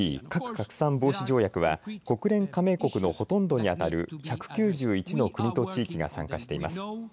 ＮＰＴ、核拡散防止条約は国連加盟国のほとんどに当たる１９１の国と地域が参加しています。